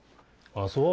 ああそう。